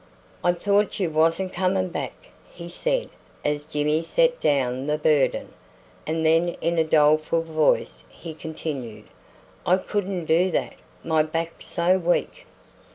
"I thought you wasn't coming back," he said as Jimmy set down the burden; and then in a doleful voice he continued, "I couldn't do that, my back's so weak."